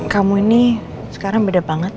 kamu ini sekarang beda banget